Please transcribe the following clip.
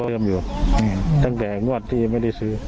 ก็เริ่มอยู่ตั้งแต่งวัดที่ไม่ได้ซื้อ